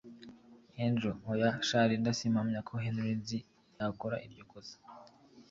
Angel oya sha Linda simpamya ko Henry nzi yakora iryo kosa